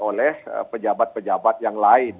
oleh pejabat pejabat yang lain